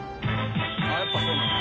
やっぱそうなんだ。